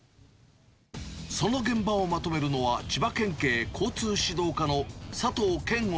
その現場をまとめるのは、千葉県警交通指導課の佐藤健吾